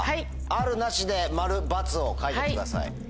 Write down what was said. あるなしで「○」「×」を書いてください。